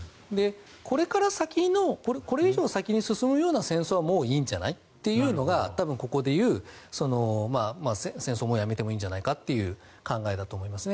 これから先のこれ以上先に進むような戦争はもういいんじゃない？というのがここでいう戦争をもうやめてもいいんじゃないかという考えだと思いますね。